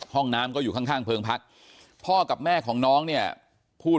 ห้องน้ำก็อยู่ข้างเพลิงพักพ่อกับแม่ของน้องเนี่ยพูด